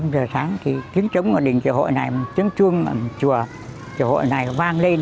năm giờ sáng thì tiếng trống ở đỉnh chủ hội này tiếng trung ở chùa chủ hội này vang lên